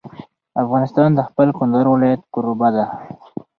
افغانستان د خپل کندهار ولایت کوربه دی.